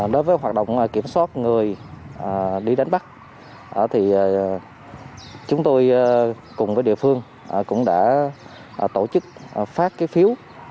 đối với hoạt động kiểm soát người đi đánh bắt thì chúng tôi cùng với địa phương cũng đã tổ chức phát phiếu